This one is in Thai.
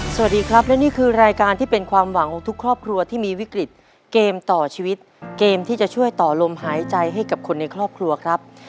สวัสดีครับและนี่คือรายการที่เป็นความหวังของทุกครอบครัวที่มีวิกฤตเกมต่อชีวิตเกมที่จะช่วยต่อลมหายใจให้กับคนในครอบครัวครับ